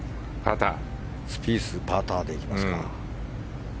スピースはパターでいきますか。